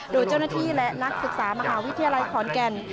โดยเจ้าหน้าที่และนักศึกษามหาวิทยาลัยขอนแก่น